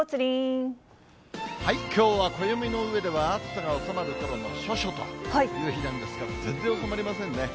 きょうは暦の上では、暑さが収まるころの処暑という日なんですが、全然収まりませんね。